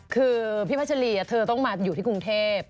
คือพี่พัชรีเธอต้องมาอยู่ที่กรุงเทพ